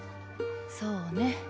そうね